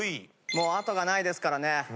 もう後がないですからね。